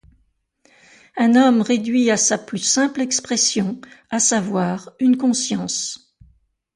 Un homme réduit à sa plus simple expression, à savoir une conscience.